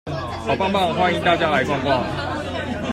好棒棒，歡迎大家來逛逛